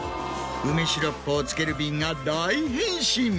梅シロップを漬ける瓶が大変身。